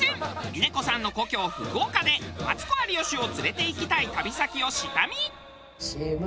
峰子さんの故郷福岡でマツコ有吉を連れていきたい旅先を下見！